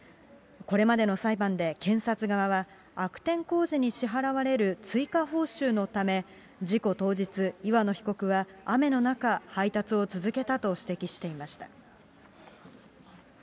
これまでの裁判で検察側は、悪天候時に支払われる追加報酬のため、事故当日、岩野被告は、雨の中、配達を続けたと指摘していました。